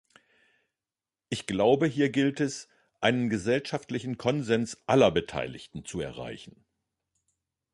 Ich glaube, hier gilt es, einen gesellschaftlichen Konsens aller Beteiligten zu erreichen.